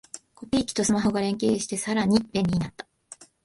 コピー機とスマホが連携してさらに便利になった